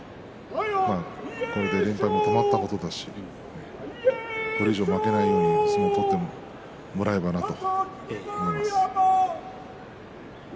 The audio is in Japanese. これで連敗も止まったことですしこれ以上負けないように相撲を取ってもらえればなと思います。